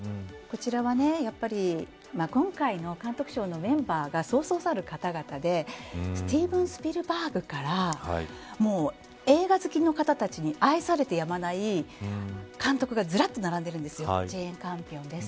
こちらは今回の監督賞のメンバーがそうそうたる方々でスティーブン・スピルバーグから映画好きの方たちに愛されてやまない監督がずらっと並んでいるんです。